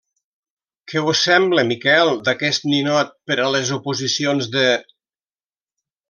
-¿Què us en sembla, Miquel, d'aquest ninot per a les oposicions de